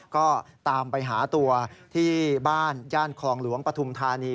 ก็ตามไปหาตัวที่บ้านย่านคลองหลวงปฐุมธานี